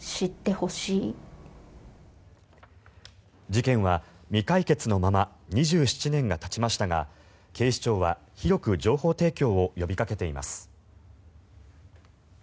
事件は未解決のまま２７年がたちましたが警視庁は広く情報提供を呼びかけています。